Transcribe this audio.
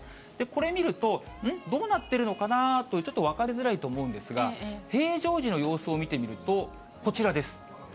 これ見ると、うん？どうなってるのかなと、ちょっと分かりづらいと思うんですが、平常時の様子を見てみると、こちらです。